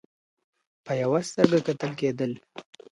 په یوه سترګه کتل کېدل